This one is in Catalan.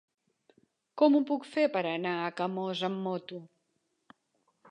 Com ho puc fer per anar a Camós amb moto?